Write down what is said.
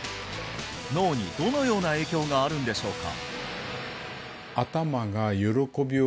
脳にどのような影響があるんでしょうか？